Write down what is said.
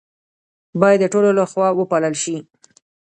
باید د ټولو لخوا وپالل شي.